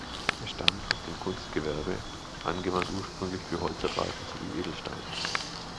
Er stammt aus dem Kunstgewerbe, angewandt ursprünglich für Holzarbeiten sowie Edelsteine.